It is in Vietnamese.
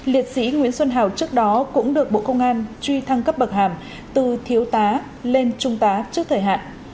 liệt sĩ nguyễn xuân hào trước đó cũng được bộ công an truy thăng cấp bậc hàm từ thiếu tá lên trung tá trước thời hạn